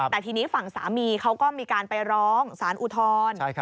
แต่ทีนี้ฝั่งสามีเขาก็มีการไปร้องสารอุทธร